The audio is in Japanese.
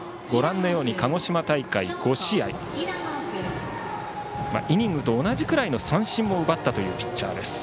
鹿児島大会５試合でイニングと同じぐらいの三振を奪ったというピッチャー。